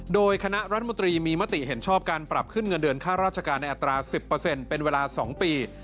โดยคณะรัฐมนตรีมีมติเห็นชอบการปรับขึ้นเงินเดือนค่าราชการในอัตรา๑๐เป็นเวลา๒ปี